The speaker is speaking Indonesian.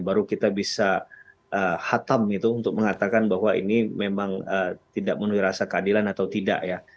baru kita bisa hatam itu untuk mengatakan bahwa ini memang tidak menuhi rasa keadilan atau tidak ya